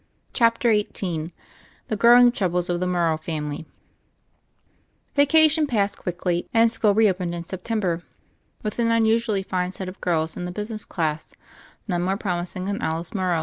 CHAPTER XVIII THE GROWING TROUBLES OF THE MCMRROW FAMILY VACATION passed quickly, and school re opened in September with an unusually fine set of girls in tne business class, none more promising than Alice Morrow.